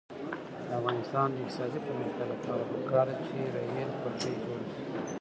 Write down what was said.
د افغانستان د اقتصادي پرمختګ لپاره پکار ده چې ریل پټلۍ جوړه شي.